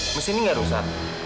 mesin ini nggak rusak